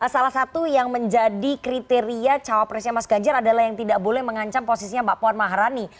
salah satu yang menjadi kriteria cawapresnya mas ganjar adalah yang tidak boleh mengancam posisinya mbak puan maharani